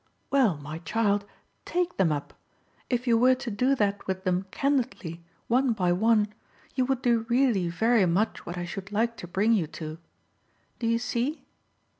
"Well, my child, TAKE them up; if you were to do that with them candidly, one by one, you would do really very much what I should like to bring you to. Do you see?"